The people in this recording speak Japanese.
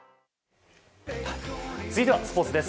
続いてはスポーツです。